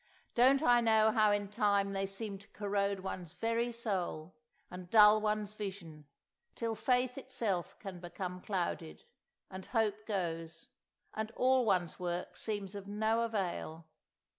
Don't I know how in time they seem to corrode one's very soul, and dull one's vision, till faith itself can become clouded, and hope goes, and all one's work seems of no avail!